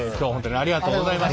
ありがとうございます。